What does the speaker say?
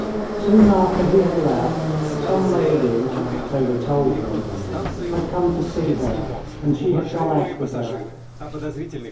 Soon after he had left, some lady, so they told him, had come to see her, and she had gone out with her.